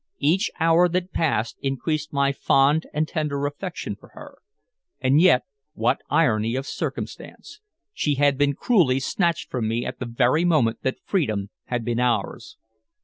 Each hour that passed increased my fond and tender affection for her. And yet what irony of circumstance! She had been cruelly snatched from me at the very moment that freedom had been ours.